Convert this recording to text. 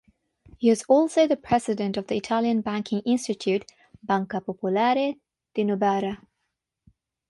He was also the president of the Italian banking institute Banca Popolare di Novara.